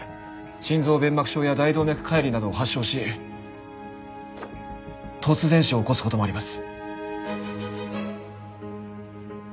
心臓弁膜症や大動脈解離などを発症し突然死を起こす事もあります。